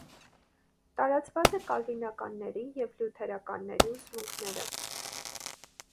Տարածված է կալվինականների և լյութերականների ուսմունքները։